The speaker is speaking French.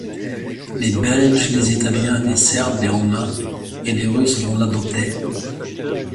Les Belges, les Italiens, les Serbes, les Roumains, et les Russes vont l’adopter.